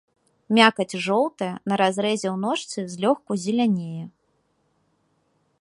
Мякаць жоўтая, на разрэзе ў ножцы злёгку зелянее.